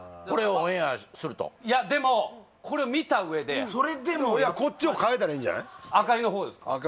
これをオンエアするといやでもこれを見たうえでこっちを変えたらいいんじゃない明かりのほうですか？